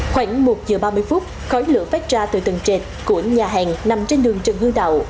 khoảng một giờ ba mươi phút khói lửa phát ra từ tầng trệt của nhà hàng nằm trên đường trần hương đạo